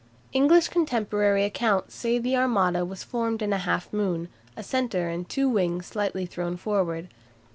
English contemporary accounts say the Armada was formed in a half moon, a centre and two wings slightly thrown forward.